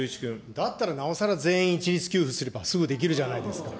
だったらなおさら、全員一律給付すれば、すぐできるじゃないですか。